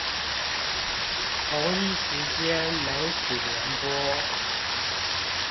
同一時間媒體聯播